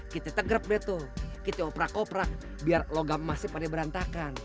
kita tegrep deh tuh kita oprak oprak biar logam masih pada berantakan